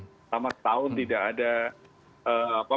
pertama tahun tidak ada